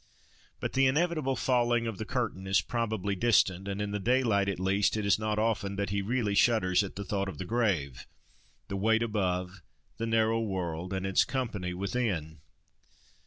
But the inevitable falling of the curtain is probably distant; and in the daylight, at least, it is not often that he really shudders at the thought of the grave—the weight above, the narrow world and its company, within.